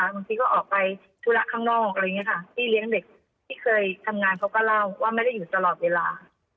บางทีก็ออกไปธุระข้างนอกอะไรอย่างนี้ค่ะพี่เลี้ยงเด็กที่เคยทำงานเขาก็เล่าว่าไม่ได้อยู่ตลอดเวลา